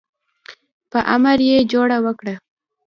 په امر یې جوړه وکړه.